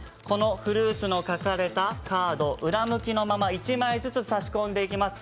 フルーツの書かれたカードを裏向きのまま、１枚ずつ差し込んでいきます。